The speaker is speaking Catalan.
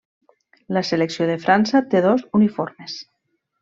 La selecció de França té dos uniformes.